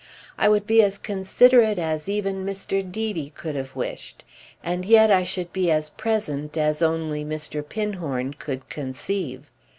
I would be as considerate as even Mr. Deedy could have wished, and yet I should be as present as only Mr. Pinhorn could conceive.